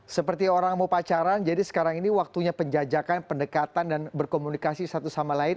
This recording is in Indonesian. seperti orang mau pacaran jadi sekarang ini waktunya penjajakan pendekatan dan berkomunikasi satu sama lain